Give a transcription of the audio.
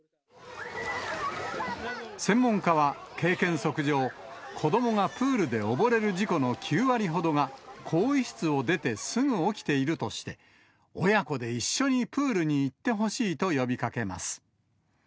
専門家は、経験則上、子どもがプールで溺れる事故の９割ほどが、更衣室を出てすぐ起きているとして、親子で一緒にプールに行ってほしいと呼びかけます。